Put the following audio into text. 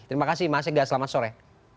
terima kasih mas ega selamat sore